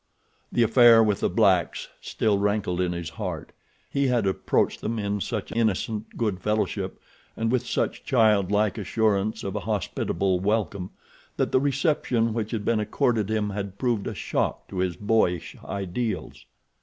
The affair with the blacks still rankled in his heart. He had approached them in such innocent good fellowship and with such childlike assurance of a hospitable welcome that the reception which had been accorded him had proved a shock to his boyish ideals.